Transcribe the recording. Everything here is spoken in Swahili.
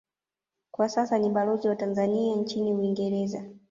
Kwa sasa ni balozi wa Tanzania nchini Uingereza